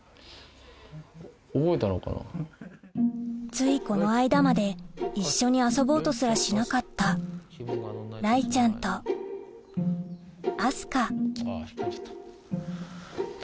ついこの間まで一緒に遊ぼうとすらしなかった雷ちゃんと明日香あぁ引っ込んじゃった。